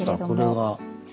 これが。